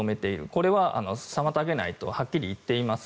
これは妨げないとはっきり言っています。